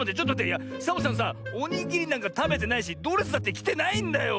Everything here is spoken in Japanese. いやサボさんさおにぎりなんかたべてないしドレスだってきてないんだよ！